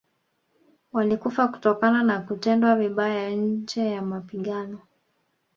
Walikufa kutokana na kutendewa vibaya nje ya mapigano